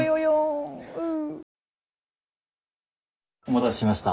お待たせしました。